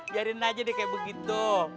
biarin aja deh kayak begitu